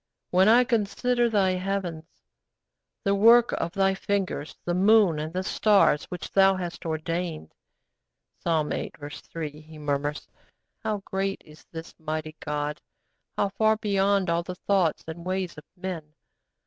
'When I consider Thy heavens, the work of Thy fingers, the moon and the stars, which Thou hast ordained' (Psalm viii. 3) he murmurs; 'how great is this mighty God, how far beyond all the thoughts and ways of men!